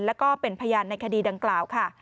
และเป็นพยานในคดีดังกล่าว